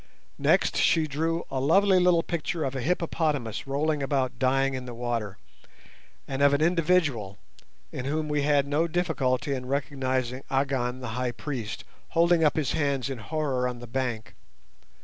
Next she drew a lovely little picture of a hippopotamus rolling about dying in the water, and of an individual, in whom we had no difficulty in recognizing Agon the High Priest, holding up his hands in horror on the bank.